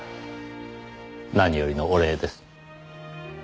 何よりのお礼です。